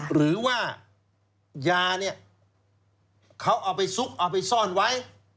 หรือว่ายาเนี่ยเขาเอาไปซุกเอาไปซ่อนไว้